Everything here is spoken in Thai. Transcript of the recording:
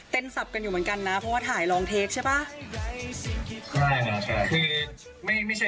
เต้นสับกันอยู่เหมือนกันนะเพราะว่าถ่ายลองเทคใช่ป่ะใช่ค่ะคือไม่ไม่ใช่